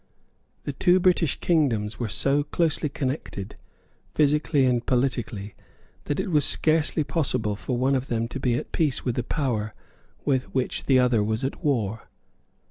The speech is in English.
The two British kingdoms were so closely connected, physically and politically, that it was scarcely possible for one of them to be at peace with a power with which the other was at war.